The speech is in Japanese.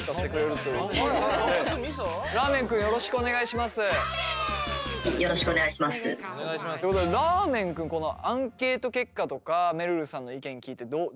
ということでらーめん君このアンケート結果とかめるるさんの意見聞いてどうですか？